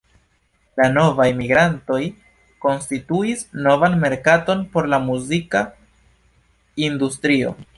La novaj migrantoj konstituis novan merkaton por la muzika industrio.